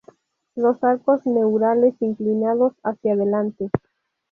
Los arcos neurales inclinados hacia delante.